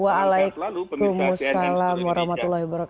waalaikumsalam wr wb